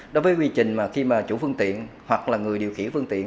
đối với quy trình mà khi mà chủ phương tiện hoặc là người điều khiển phương tiện